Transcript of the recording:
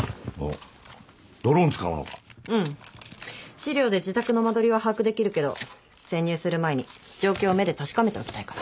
資料で自宅の間取りは把握できるけど潜入する前に状況を目で確かめておきたいから。